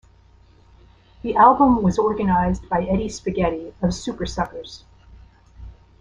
The album was organized by Eddie Spaghetti of Supersuckers.